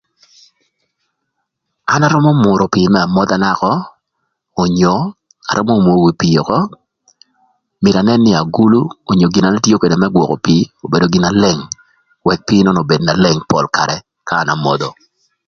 An arömö mürö pii më amodhana ökö onyo arömö umo wi pii ökö mïtö anën nï agulu onyo gin na ën tio ködë më gwökö pii obedo gin na leng ëk pii nön obed na leng pol karë ka an amodho.